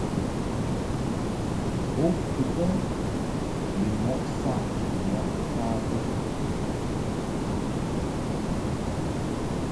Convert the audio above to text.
Bo kɨ bə ni mɔʼ saʼ mɔʼ ŋka bə.